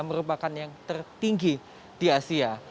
merupakan yang tertinggi di asia